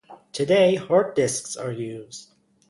Today hard disks are used.